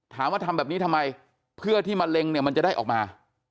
ทำแบบนี้ทำไมเพื่อที่มะเร็งเนี่ยมันจะได้ออกมา